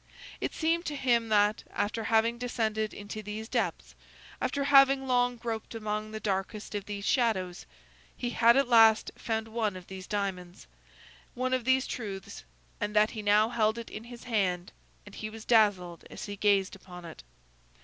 It seemed to him, that, after having descended into these depths, after having long groped among the darkest of these shadows, he had at last found one of these diamonds, one of these truths, and that he now held it in his hand, and he was dazzled as he gazed upon it.